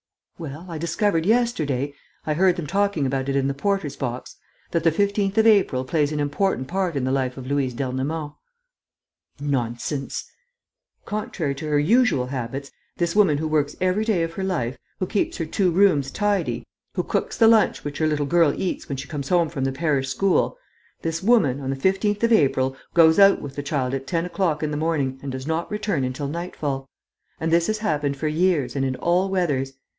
"Well, I discovered yesterday I heard them talking about it in the porter's box that the 15th of April plays an important part in the life of Louise d'Ernemont." "Nonsense!" "Contrary to her usual habits, this woman who works every day of her life, who keeps her two rooms tidy, who cooks the lunch which her little girl eats when she comes home from the parish school ... this woman, on the 15th of April, goes out with the child at ten o'clock in the morning and does not return until nightfall. And this has happened for years and in all weathers.